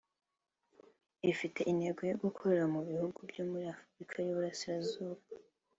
ifite intego yo gukorera mu bihugu byo muri Afurika y’Uburasirazuba